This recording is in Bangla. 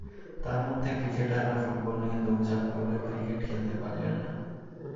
তার মধ্যে ক্রিকেটাররা ফুটবল নিয়ে দৌড়ঝাঁপ করলেও ক্রিকেট খেলতে পারলেন না।